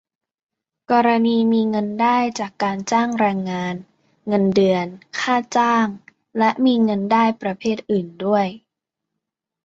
กรณีมีเงินได้จากการจ้างแรงงาน เงินเดือน ค่าจ้าง และมีเงินได้ประเภทอื่นด้วย